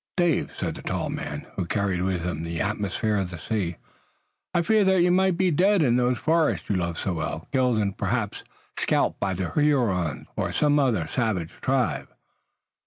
"Dave," said the tall man, who carried with him the atmosphere of the sea, "I feared that you might be dead in those forests you love so well, killed and perhaps scalped by the Hurons or some other savage tribe.